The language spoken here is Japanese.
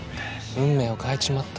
運命を変えちまった。